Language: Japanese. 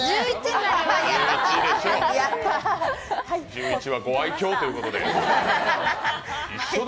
１１はご愛きょうということで。